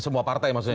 semua partai maksudnya